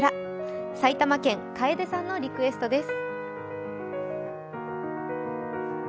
埼玉県・カエデさんのリクエストです。